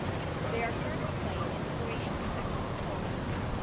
They are currently playing in the Croatian Second Football League.